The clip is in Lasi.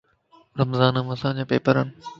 رمضانم اسانجا پيپرن